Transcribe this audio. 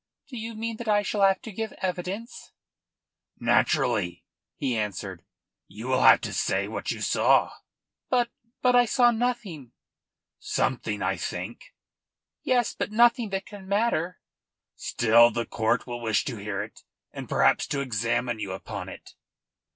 "Do you mean that I shall have to give evidence?" "Naturally," he answered. "You will have to say what you saw." "But but I saw nothing." "Something, I think." "Yes; but nothing that can matter." "Still the court will wish to hear it and perhaps to examine you upon it."